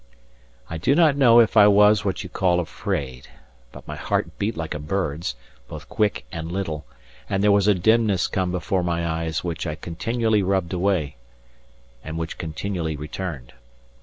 I do not know if I was what you call afraid; but my heart beat like a bird's, both quick and little; and there was a dimness came before my eyes which I continually rubbed away, and which continually returned.